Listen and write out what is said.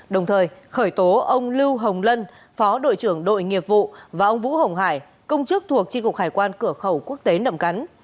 đồng thời khởi tố ông lưu hồng lân phó đội trưởng đội nghiệp vụ và ông vũ hồng hải công chức thuộc tri cục hải quan cửa khẩu quốc tế nậm cắn